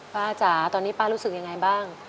จ๋าตอนนี้ป้ารู้สึกยังไงบ้าง